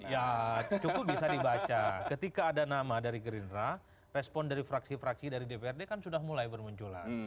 ya cukup bisa dibaca ketika ada nama dari gerindra respon dari fraksi fraksi dari dprd kan sudah mulai bermunculan